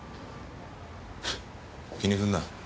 気にすんな。